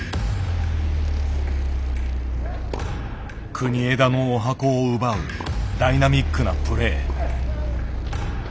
国枝のおはこを奪うダイナミックなプレー。